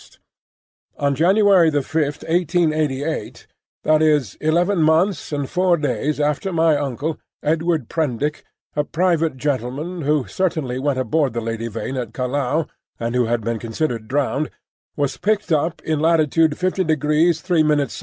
On January the Fifth, 1888—that is eleven months and four days after—my uncle, Edward Prendick, a private gentleman, who certainly went aboard the Lady Vain at Callao, and who had been considered drowned, was picked up in latitude 5° 3′ S.